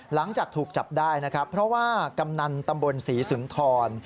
หลังจากถูกจับได้นะครับเพราะว่ากำนันตำบลศรีสุนทร